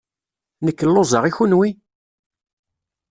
Nekk lluẓeɣ. I kenwi?